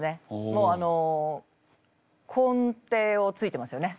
もう根底をついてますよね。